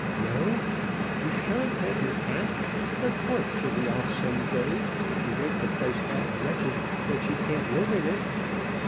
No; you shan't have your hat. Of course she'll be off some day, if you make the place that wretched that she can't live in it.